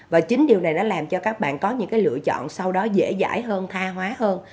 và chính điều này nó làm cho các bạn có những lựa chọn sau đó dễ dãi hơn tha hóa hơn